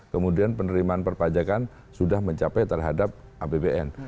kemudian penerimaan perpajakan sudah mencapai terhadap apbn